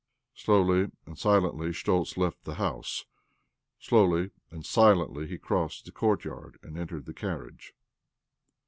Slowly and silently Schtoltz left the house. Slowly and silently he crossed the courtyard and entered the carriagie.